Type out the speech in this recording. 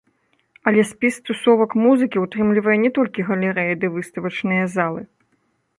Але спіс тусовак музыкі ўтрымлівае не толькі галерэі ды выставачныя залы.